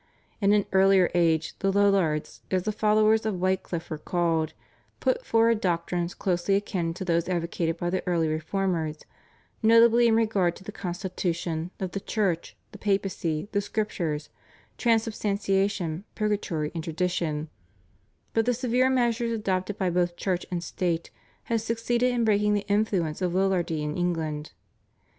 In an earlier age the Lollards, as the followers of Wycliff were called, put forward doctrines closely akin to those advocated by the early Reformers, notably in regard to the constitution of the Church, the Papacy, the Scriptures, Transubstantiation, Purgatory, and Tradition, but the severe measures adopted by both Church and State had succeeded in breaking the influence of Lollardy in England.